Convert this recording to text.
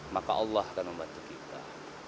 maka allah akan membantu kita